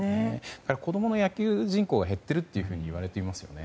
子供の野球人口が減っているといわれていますよね。